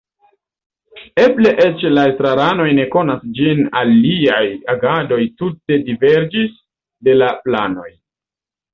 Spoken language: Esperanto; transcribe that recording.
Eble eĉ la estraranoj ne konas ĝin iliaj agadoj tute diverĝis de la planoj.